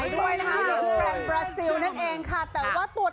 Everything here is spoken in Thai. แต่ว่าตัวทางนี้นะครับ